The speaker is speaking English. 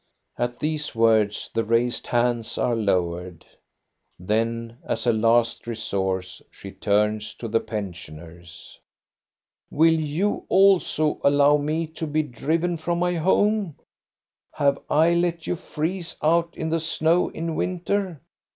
" At these words the raised hands are lowered. Then, as a last resource, she turns to the pen sioners. "Will you also allow me to be driven from my home? Have I let you freeze out in the snow in winter?